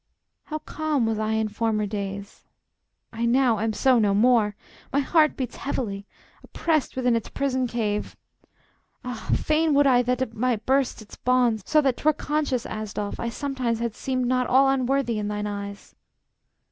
] How calm was I in former days! I now Am so no more! My heart beats heavily, Oppressed within its prison cave. Ah! fain Would I that it might burst its bonds, so that 'Twere conscious, Asdolf, I sometimes had seemed Not all unworthy in thine eyes.